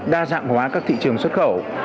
đa dạng hóa các thị trường xuất khẩu